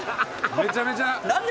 めちゃめちゃ。